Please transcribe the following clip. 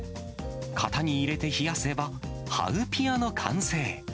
型に入れて冷やせば、ハウピアの完成。